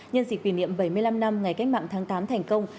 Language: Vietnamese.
nhân dịp kỷ niệm bảy mươi năm năm ngày cách mạng tháng tám thành công